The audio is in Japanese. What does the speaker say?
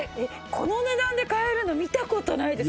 この値段で買えるの見た事ないです